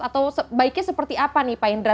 atau sebaiknya seperti apa nih pak indra